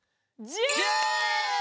１０！